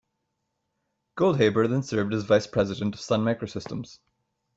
Goldhaber then served as Vice President of Sun Microsystems.